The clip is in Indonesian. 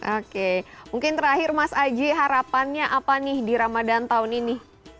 oke mungkin terakhir mas aji harapannya apa nih di ramadan tahun ini